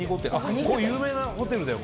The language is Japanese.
有名なホテルだよ